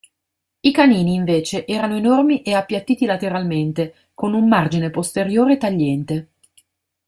I canini, invece, erano enormi e appiattiti lateralmente, con un margine posteriore tagliente.